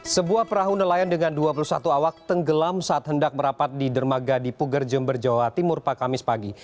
sebuah perahu nelayan dengan dua puluh satu awak tenggelam saat hendak merapat di dermaga di puger jember jawa timur pak kamis pagi